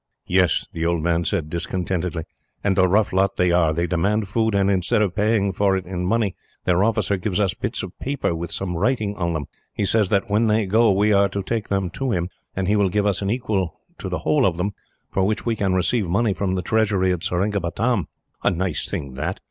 "Yes," the old man said, discontentedly, "and a rough lot they are. They demand food, and instead of paying for it in money, their officer gives us bits of paper with some writing on them. He says that, when they go, we are to take them to him, and he will give us an order equal to the whole of them, for which we can receive money from the treasury at Seringapatam. "A nice thing, that!